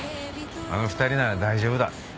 あの２人なら大丈夫だ。